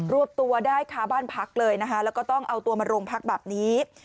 วบตัวได้ค้าบ้านพักเลยนะคะแล้วก็ต้องเอาตัวมาโรงพักแบบนี้